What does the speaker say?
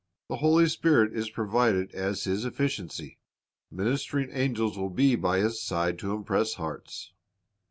The Holy Spirit is provided as his efficiency. Ministering angels will be by his side to impress hearts.